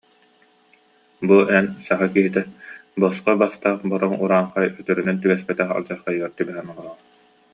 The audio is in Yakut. Бу эн саха киһитэ, босхо бастаах бороҥ урааҥхай өтөрүнэн түбэспэтэх алдьархайыгар түбэһэн олороҕун